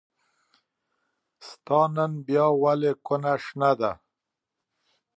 ستا نن بيا ولې کونه شنه ده